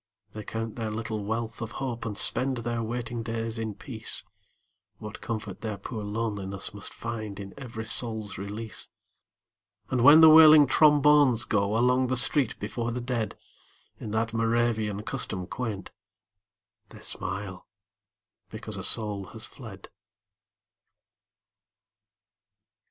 They count their little wealth of hope And spend their waiting days in peace, What comfort their poor loneliness Must find in every soul's release! And when the wailing trombones go Along the street before the dead In that Moravian custom quaint, They smile because a soul has fled.